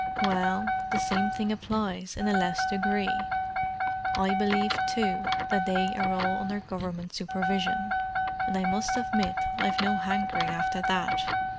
"Well, the same thing applies, in a less degree. I believe, too, that they are all under Government supervision, and I must admit I've no hankering after that.